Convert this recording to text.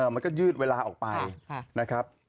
มันก็ยืดเวลาออกไปนะครับ